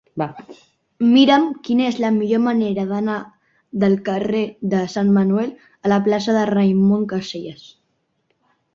Mira'm quina és la millor manera d'anar del carrer de Sant Manuel a la plaça de Raimon Casellas.